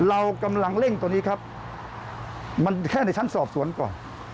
เรากำลังเร่งตอนนี้ครับมันแค่ในชั้นสอบสวนก่อน